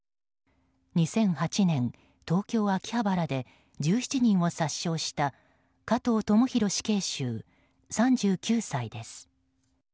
２００８年、東京・秋葉原で１７人を殺傷した加藤智大死刑囚、３９歳です。